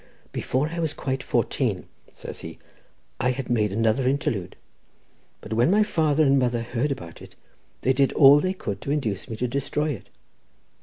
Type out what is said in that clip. "Before I was quite fourteen," says he, "I had made another interlude; but when my father and mother heard about it, they did all they could to induce me to destroy it.